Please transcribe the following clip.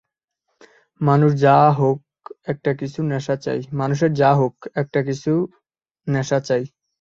মানুষের যা হোক একটা কিছু নেশা চাই।